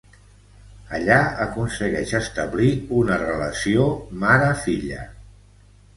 Allà aconsegueix establir una relació mare-filla.